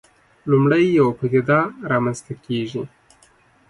لومړی یوه پدیده رامنځته کېږي.